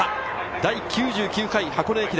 第９９回箱根駅伝。